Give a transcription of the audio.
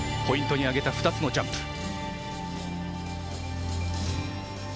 ポイントにあげた２つのジャンプ。